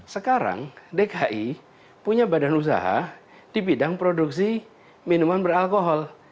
sekarang dki punya badan usaha di bidang produksi minuman beralkohol